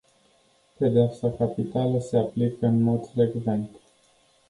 Pedeapsa capitală se aplică în mod frecvent.